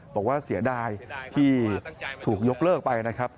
บอกว่าเสียดายที่ถูกยกเลิกไปนะครับ